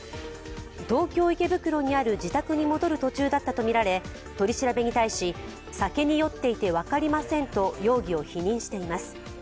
東京・池袋にある自宅に戻る途中だったとみられ、取り調べに対し、酒に酔っていて分かりませんと容疑を否認しています。